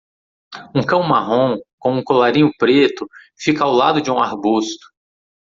Um cão marrom com um colarinho preto fica ao lado de um arbusto.